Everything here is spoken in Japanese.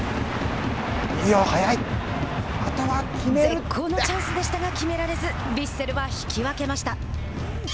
絶好のチャンスでしたが決められずヴィッセルは引き分けました。